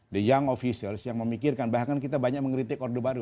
the young officials yang memikirkan bahkan kita banyak berbicara tentang bangsa ini